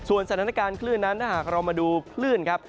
สถานการณ์คลื่นนั้นถ้าหากเรามาดูคลื่นครับ